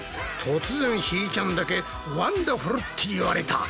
突然ひーちゃんだけワンダフルって言われた。